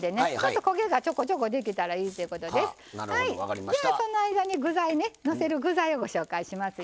ではその間に具材ねのせる具材ご紹介しますよ。